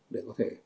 để có thể